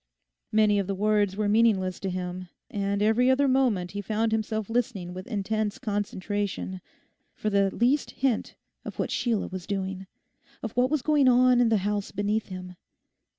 Many of the words were meaningless to him, and every other moment he found himself listening with intense concentration for the least hint of what Sheila was doing, of what was going on in the house beneath him.